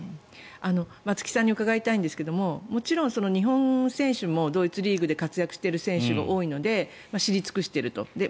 松木さんに伺いたいんですがもちろん日本の選手もドイツリーグで活躍している選手が多いので知り尽くしていると。